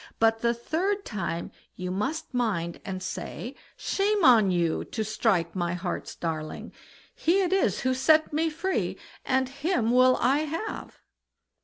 But the third time you must mind and say, 'Shame on you! to strike my heart's darling; he it is who set me free, and him will I have!